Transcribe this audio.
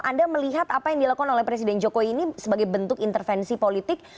anda melihat apa yang dilakukan oleh presiden jokowi ini sebagai bentuk intervensi politik